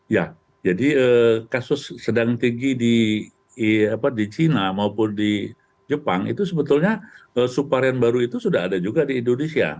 ya jadi kasus sedang tinggi di china maupun di jepang itu sebetulnya subvarian baru itu sudah ada juga di indonesia